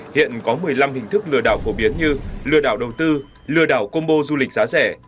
hiện có một mươi năm hình thức lừa đảo phổ biến như lừa đảo đầu tư lừa đảo combo du lịch giá rẻ